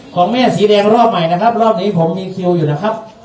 ของแม่สีแดงรอบใหม่นะครับรอบนี้ผมมีคิวอยู่แล้วครับ